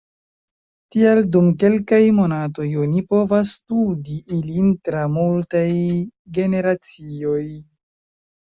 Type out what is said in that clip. Tial dum kelkaj monatoj oni povas studi ilin tra multaj generacioj.